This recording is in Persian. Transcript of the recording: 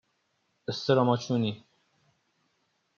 استراماچونی